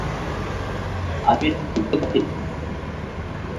আমি এটা খুলতে পারি?